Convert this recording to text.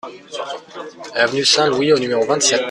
Avenue Saint-Louis au numéro vingt-sept